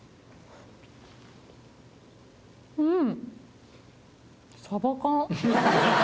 うん。